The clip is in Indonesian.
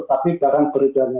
tapi barang berbeda beda